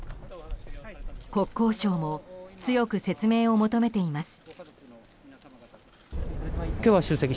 国交省も強く説明を求めています。